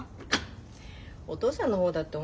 お父さんの方だって同じよ。